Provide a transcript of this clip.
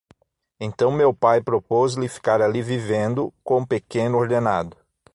Então meu pai propôs-lhe ficar ali vivendo, com pequeno ordenado.